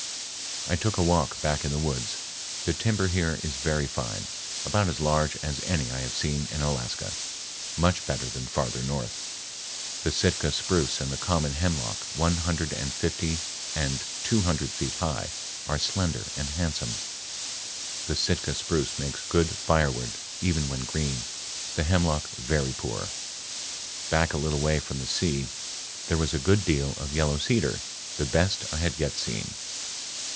I took a walk back in the woods. The timber here is very fine, about as large as any I have seen in Alaska, much better than farther north. The Sitka spruce and the common hemlock, one hundred and fifty and two hundred feet high, are slender and handsome. The Sitka spruce makes good firewood even when green, the hemlock very poor. Back a little way from the sea, there was a good deal of yellow cedar, the best I had yet seen.